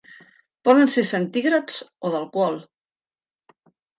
Poden ser centígrads o d'alcohol.